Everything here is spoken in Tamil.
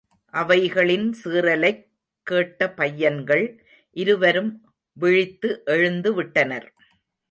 அவைகளின் சீறலைக் கேட்ட பையன்கள் இருவரும் விழித்து எழுந்துவிட்டனர்.